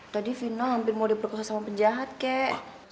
tadi fina hampir mau diperkosa sama penjahat kek